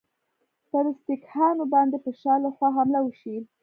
پر سیکهانو باندي به شا له خوا حمله وشي.